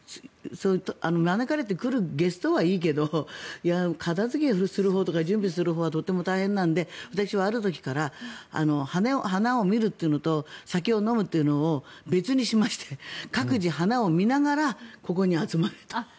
招かれて来るゲストはいいけど片付けをするほうとか準備をするほうはとても大変なので私はある時から花を見るというのと酒を飲むというのを別にしまして各自、花を見ながらここに集まれと。